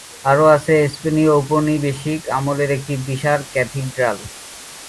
আরও আছে স্পেনীয় ঔপনিবেশিক আমলের একটি বিশাল ক্যাথিড্রাল।